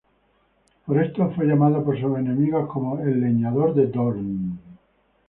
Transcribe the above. Por esto fue llamado por sus enemigos como "El leñador de Doorn".